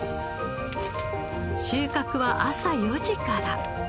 収穫は朝４時から。